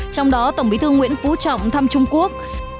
trong đó tổng bí thư nguyễn phú trọng thăm trung quốc